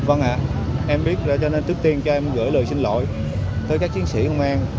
vâng ạ em biết cho nên trước tiên cho em gửi lời xin lỗi tới các chiến sĩ công an